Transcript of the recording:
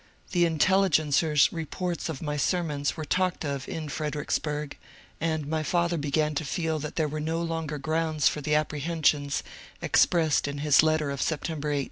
The " Intelligencer's " reports of my sermons j were talked of in Fredericksburg, and my father began to feel that there were no longer grounds for the apprehensions expressed in his letter of September 18.